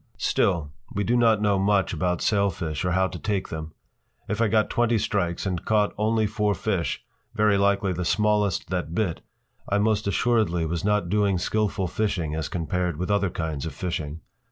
Still, we do not know much about sailfish or how to take them. If I got twenty strikes and caught only four fish, very likely the smallest that bit, I most assuredly was not doing skilful fishing as compared with other kinds of fishing.